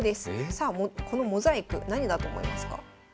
さあこのモザイク何だと思いますか？